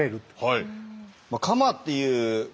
はい。